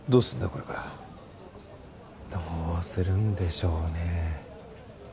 これからどうするんでしょうねえ